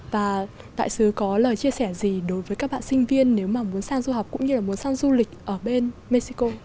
và đại sứ có lời chia sẻ gì đối với các bạn sinh viên nếu mà muốn sang du học cũng như là muốn sang du lịch ở bên mexico